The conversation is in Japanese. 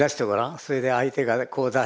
それで相手がこう出した。